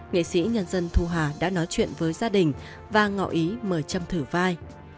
nghệ sĩ nhân dân thu hà đã nói chuyện với gia đình và ngọ ý mời trâm thử vai